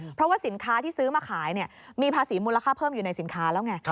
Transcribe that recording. เพราะว่าสินค้าที่ซื้อมาขายมีภาษีมูลค่าเพิ่มอยู่ในสินค้าแล้วไง